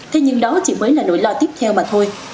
thế nhưng đó chỉ mới là nỗi lo tiếp theo mà thôi